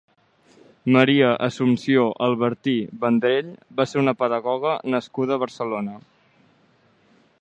Maria Assumpció Albertí Vendrell va ser una pedagoga nascuda a Barcelona.